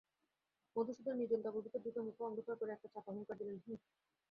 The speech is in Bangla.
মধুসূদন নির্জন তাঁবুর ভিতর ঢুকে মুখ অন্ধকার করে একটা চাপা হুংকার দিলে–হুঁ।